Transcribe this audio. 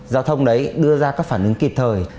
giao thông đấy đưa ra các phản ứng kịp thời